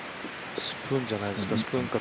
スプーンじゃないですか？